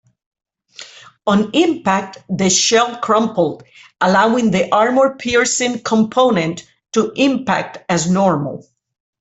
On impact the shell crumpled, allowing the armour-piercing component to impact as normal.